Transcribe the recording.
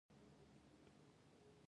آیا د پښتنو کلتور به تل نه ځلیږي؟